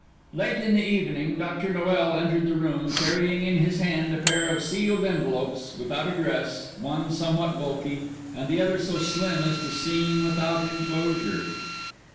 Late in the evening Dr. Noel entered the room carrying in his hand a pair of sealed envelopes without address, one somewhat bulky, and the other so slim as to seem without enclosure.